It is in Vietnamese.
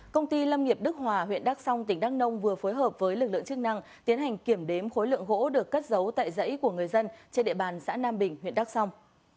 công ty lâm nghiệp đức hòa huyện đắk song tỉnh đắk nông vừa phối hợp với lực lượng chức năng tiến hành kiểm đếm khối lượng gỗ được cất giấu tại dãy của người dân trên địa bàn xã nam bình huyện đắk song